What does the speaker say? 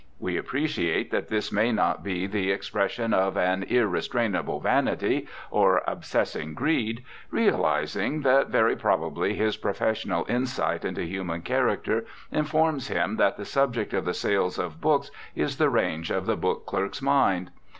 We appreciate that this may not be the expression of an irrestrainable vanity, or obsessing greed, realising that very probably his professional insight into human character informs him that the subject of the sales of books is the range of the book clerk's mind.